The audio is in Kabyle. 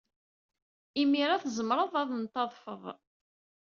Imir-a, tzemred ad n-tadfed.